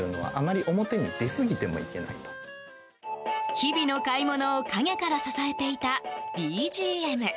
日々の買い物を陰から支えていたＢＧＭ。